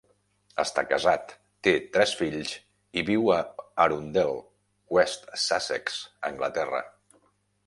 Està casat, té tres fills, i viu a Arundel, West Sussex, Anglaterra.